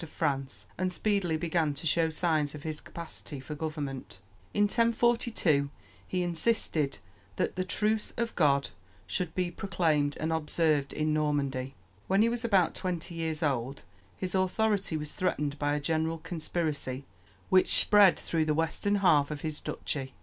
of France, and speedily began to show signs of his capacity for government. In 1042 he insisted that the "truce of God" should be proclaimed and observed in Normandy. When he was about twenty years old his authority was threatened by a general conspiracy, which spread through the western half of his duchy.